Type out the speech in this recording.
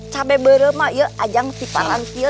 cabai bareng mah ya aja kita rantian